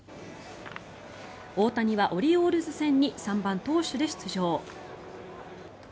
大谷はオリオールズ戦に３番投手で出場。